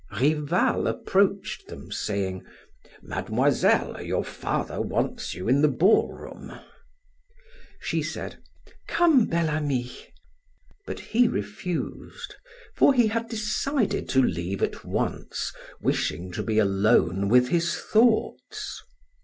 Rival approached them saying: "Mademoiselle, your father wants you in the ballroom." She said: "Come, Bel Ami," but he refused, for he had decided to leave at once, wishing to be alone with his thoughts.